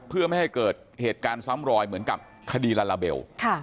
เพื่อไม่ให้เกิดเหตุการณ์ซ้ำรอยเหมือนกับคดีลาลาเบล